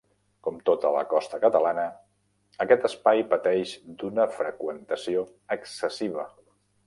Com tota la costa catalana, aquest espai pateix d'una freqüentació excessiva.